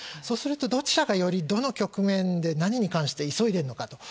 そうすると、どちらがより、どの局面で何に関して急いでいるのか。